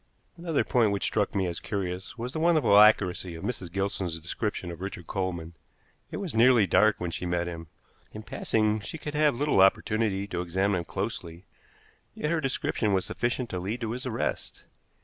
Another point which struck me as curious was the wonderful accuracy of Mrs. Gilson's description of Richard Coleman. It was nearly dark when she met him; in passing she could have little opportunity to examine him closely, yet her description was sufficient to lead to his arrest.